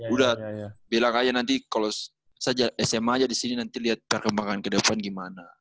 udah bilang aja nanti kalau saya smp aja disini nanti liat perkembangan ke depan gimana